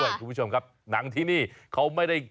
ผู้ชมพี่ชมนังที่นี่เขาไม่ได้